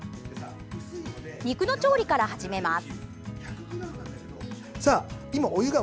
肉の調理から始めます。